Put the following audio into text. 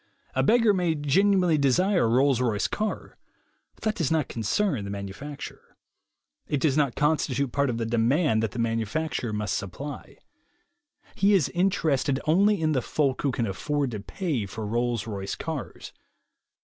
A beggar may genuinely desire a Rolls Royce car, but that does not concern the manu facturer. It does not constitute part of the demand that the manufacturer must supply. He is inter ested only in the folk who can afford to pay for Rolls Royce cars.